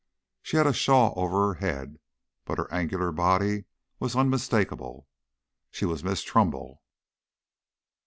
She had a shawl over her head, but her angular body was unmistakable. She was Miss Trumbull.